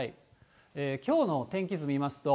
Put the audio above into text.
きょうの天気図見ますと。